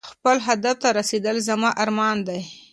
خپل هدف ته رسېدل زما ارمان دی.